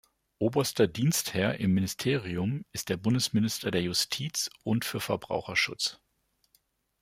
Oberster Dienstherr im Ministerium ist der Bundesminister der Justiz und für Verbraucherschutz.